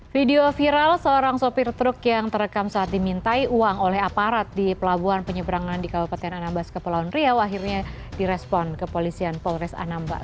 video viral seorang sopir truk yang terekam saat dimintai uang oleh aparat di pelabuhan penyeberangan di kabupaten anambas kepulauan riau akhirnya direspon kepolisian polres anambas